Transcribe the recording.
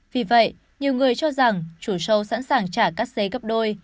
vì vậy nhiều người cho rằng chủ show sẵn sàng trả các giấy gấp đôi